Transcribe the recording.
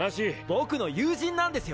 僕の友人なんですよ！